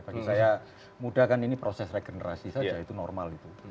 bagi saya muda kan ini proses regenerasi saja itu normal itu